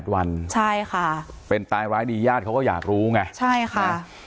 ๒๘วันเป็นตายร้ายดียาดเขาก็อยากรู้ไงใช่ค่ะ